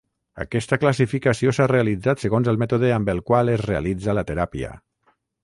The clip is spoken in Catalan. Aquesta classificació s'ha realitzat segons el mètode amb el qual es realitza la teràpia.